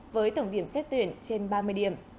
với tổng điểm xét tuyển trên ba mươi điểm